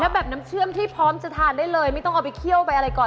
แล้วแบบน้ำเชื่อมที่พร้อมจะทานได้เลย